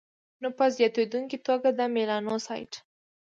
نو په زیاتېدونکي توګه د میلانوسایټ